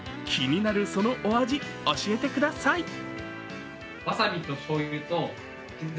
気になるそのお味、教えてください